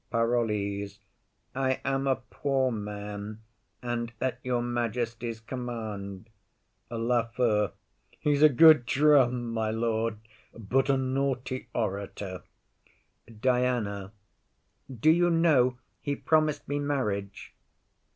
PAROLLES. I am a poor man, and at your majesty's command. LAFEW. He's a good drum, my lord, but a naughty orator. DIANA. Do you know he promised me marriage?